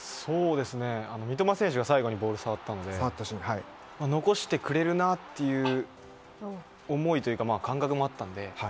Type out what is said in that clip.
三笘選手が最後にボールを触ったので残してくれるなっていう思いというか感覚もあったので。